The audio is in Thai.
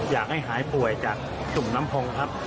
อยากให้หายป่วยจากสุ่มน้ำพงครับ